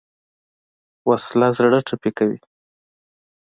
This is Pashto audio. وسله زړه ټپي کوي